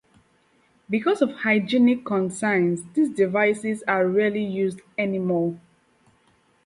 Because of hygienic concerns, these devices are rarely used any more.